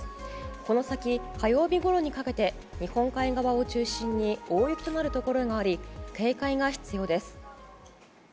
この先、火曜日ごろにかけて日本海側を中心に大雪となるところがあり警戒が必要です。